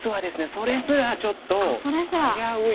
それすらちょっと危うい。